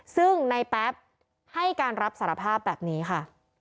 ซึ่งในแป๊บให้การรับสารภาพแบบนี้ค่ะ